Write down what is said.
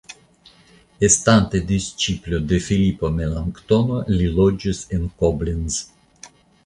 Estante disĉiplo de Filipo Melanktono li loĝis en Koblenz.